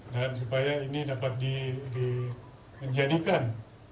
dan supaya ini dapat di menjadikan